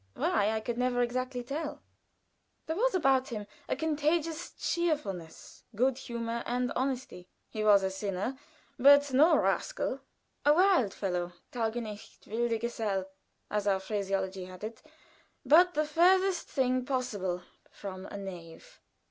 Why, I could never exactly tell. There was about him a contagious cheerfulness, good humor, and honesty. He was a sinner, but no rascal; a wild fellow Taugenichts wilder Gesell, as our phraseology had it, but the furthest thing possible from a knave.